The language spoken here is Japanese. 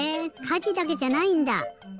かじだけじゃないんだ！